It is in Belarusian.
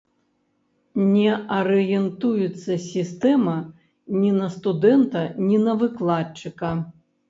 Не арыентуецца сістэма ні на студэнта, ні на выкладчыка.